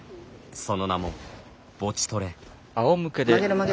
その名もボチトレ。